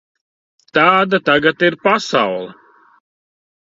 Tāda tagad ir pasaule.